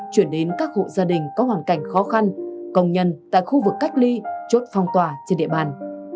chuyển đến các hộ gia đình có hoàn cảnh khó khăn công nhân tại khu vực cách ly chốt phong tỏa trên địa bàn